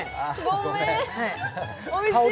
おいしい！